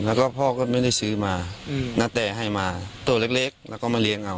แล้วก็พ่อก็ไม่ได้ซื้อมาณแต่ให้มาตัวเล็กแล้วก็มาเลี้ยงเอา